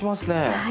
はい。